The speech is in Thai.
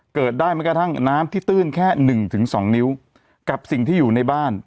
เกิดได้แม้กระทั่งน้ำที่ตื้นแค่๑๒นิ้วกับสิ่งที่อยู่ในบ้าน